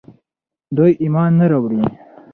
دوی ايمان نه راوړي